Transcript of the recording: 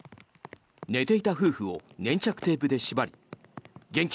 寝ていた夫婦を粘着テープで縛り現金